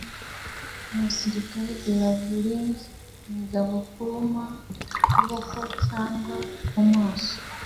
Umusirikare belabouring ingabo kuruma kuboko cyangwa mumaso